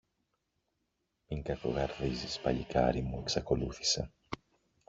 Μην κακοκαρδίζεις, παλικάρι μου, εξακολούθησε.